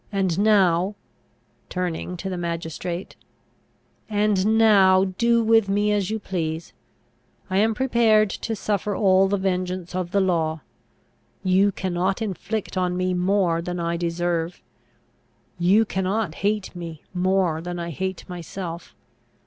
And now," turning to the magistrate "and now, do with me as you please. I am prepared to suffer all the vengeance of the law. You cannot inflict on me more than I deserve. You cannot hate me, more than I hate myself.